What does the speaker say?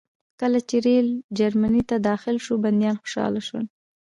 کله چې ریل جرمني ته داخل شو بندیان خوشحاله شول